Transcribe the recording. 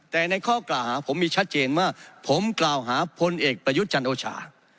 แต่ในข้อกล่าวหาผมมีชัดเจนว่าผมกล่าวหาพลเอกประยุทธ์จันโอชา